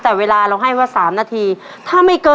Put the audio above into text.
ตัวเลือดที่๓ม้าลายกับนกแก้วมาคอ